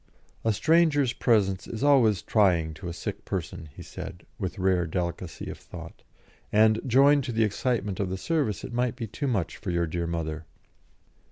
"A stranger's presence is always trying to a sick person," he said, with rare delicacy of thought, "and, joined to the excitement of the service, it might be too much for your dear mother.